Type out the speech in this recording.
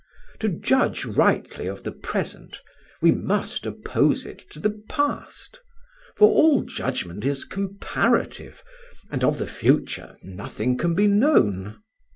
To judge rightly of the present, we must oppose it to the past; for all judgment is comparative, and of the future nothing can be known.